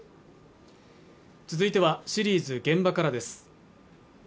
続いてはシリーズ「現場から」です